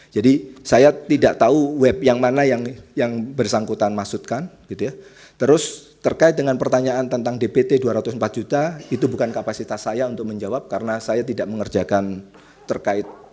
jadi saya tidak tahu web yang mana yang yang bersangkutan masukkan gitu ya terus terkait dengan pertanyaan tentang dpt dua ratus empat juta itu bukan kapasitas saya untuk menjawab karena saya tidak mengerjakan terkait